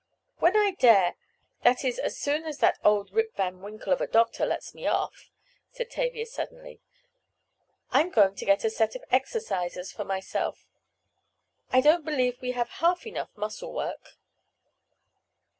"When I dare—that is as soon as that old Rip Van Winkle of a doctor lets me off," said Tavia suddenly, "I'm going to get a set of exercisers for myself. I don't believe we have half enough muscle work."